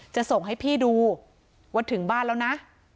จะส่งให้พี่ดูว่าถึงบ้านแล้วนะ